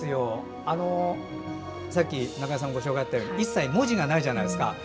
さっき中江さんのご紹介にあったように一切文字がないじゃないですか。